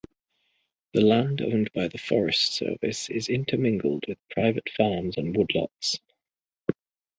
The land owned by the Forest Service is intermingled with private farms and woodlots.